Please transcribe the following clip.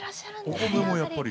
お米もやっぱり。